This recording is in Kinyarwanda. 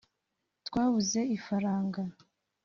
twabuze ifaranga